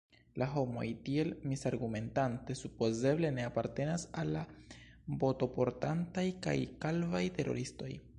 La homoj tiel misargumentante supozeble ne apartenas al la botoportantaj kaj kalvaj teroristoj.